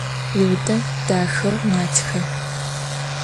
Lüde daxeu matxe.